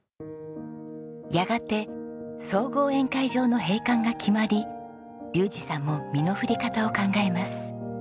やがて総合宴会場の閉館が決まり竜士さんも身の振り方を考えます。